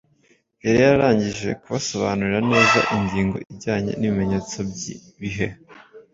yari yararangije kubasobanurira neza ingingo ijyanye n’ibimenyetso by’ibihe,